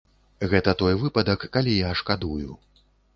Гэта той выпадак, калі я шкадую.